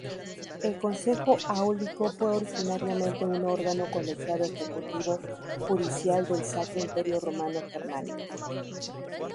El Consejo Áulico fue originariamente un órgano colegiado ejecutivo-judicial del Sacro Imperio Romano-Germánico.